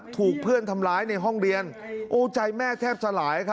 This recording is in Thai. ถูกเพื่อนทำร้ายในห้องเรียนโอ้ใจแม่แทบสลายครับ